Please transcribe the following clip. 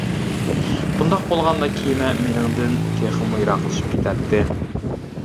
بۇنداق بولغاندا كېمە مېنىڭدىن تېخىمۇ يىراقلىشىپ كېتەتتى.